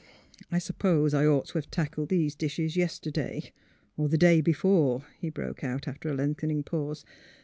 " I suppose I ought to have tackled these dishes yesterday, or the day before," he broke out, after a lengthening pause.